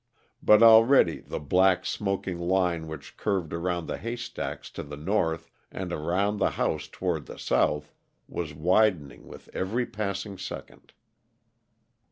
But already the black, smoking line which curved around the haystacks to the north, and around the house toward the south, was widening with every passing second.